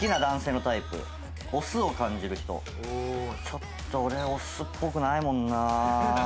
ちょっと俺はオスっぽくないもんな。